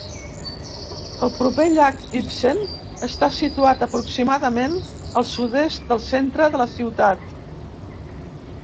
El proper llac Ibsen està situat aproximadament al sud-est del centre de la ciutat.